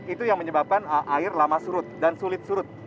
itu yang menyebabkan air lama surut dan sulit surut